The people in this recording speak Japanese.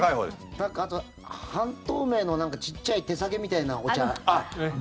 あと、半透明のちっちゃい手提げみたいなお茶。